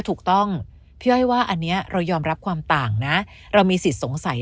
ถูกต้องพี่อ้อยว่าอันนี้เรายอมรับความต่างนะเรามีสิทธิ์สงสัย